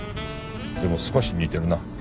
でも少し似てるな。